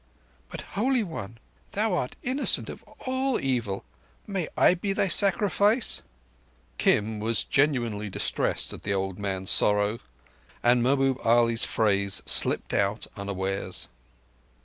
"But, Holy One, thou art innocent of all evil. May I be thy sacrifice!" Kim was genuinely distressed at the old man's sorrow, and Mahbub Ali's phrase slipped out unawares.